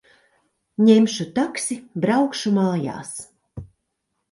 Ņemšu taksi. Braukšu mājās.